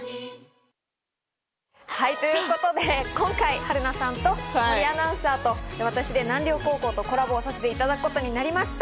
はい、ということで今回、春菜さんと森アナウンサーと私で南稜高校とコラボをさせていただくことになりました。